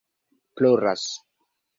ploras